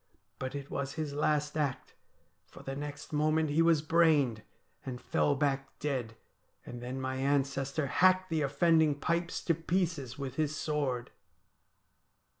But it was his last act, for the next moment he was brained, and fell back dead, and then my ancestor hacked the offending pipes to pieces with his sword.